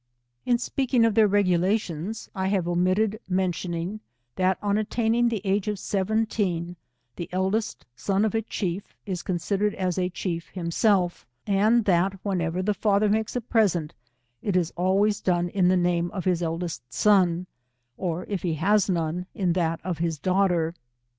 Jo speaking of their regulations, I have emitted mentioning, that on attaining the age of seventeen, the eldest son of a chief, is considered as a chiefjiim self, and that whenever the father makes a present, it is always done in the name of his eldest son, or if he has none, in that of his daughter.